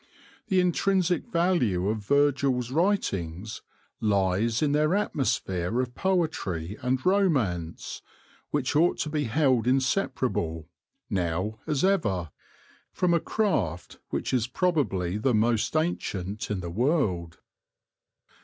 The intrinsic value of Virgil's writings lies in their atmosphere of poetry and romance, which ought to be held inseparable, now as ever, from a craft which is probably the most ancient in the world.